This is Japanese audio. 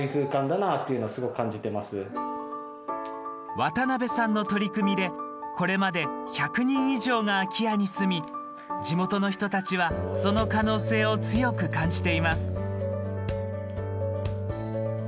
渡邊さんの取り組みでこれまで１００人以上が空き家に住み地元の人たちはその可能性を強く感じています。